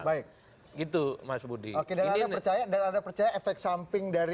dan anda percaya efek samping